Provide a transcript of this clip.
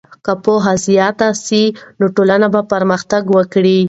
که پوهه زیاته سي نو ټولنه به پرمختګ وکړي.